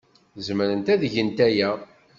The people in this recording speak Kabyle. Zemrent ad gent aya.